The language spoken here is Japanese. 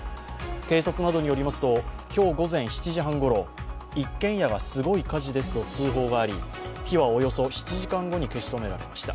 警察などによりますと今日午前７時半ごろ一軒家がすごい火事ですと通報があり火はおよそ７時間後に消し止められました。